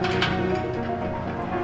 setia pak bos